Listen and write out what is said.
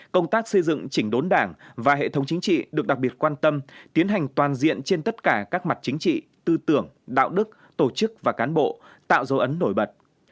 công tác xây dựng chỉnh đốn đảng và hệ thống chính trị được đặc biệt quan tâm tiến hành toàn diện trên tất cả các mặt chính trị tư tưởng đạo đức tổ chức và cán bộ tạo dấu ấn nổi bật